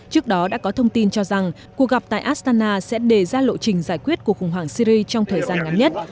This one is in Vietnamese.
trước đó đã có thông tin cho rằng cuộc gặp tại astana sẽ đề ra lộ trình giải quyết cuộc khủng hoảng syri trong thời gian ngắn nhất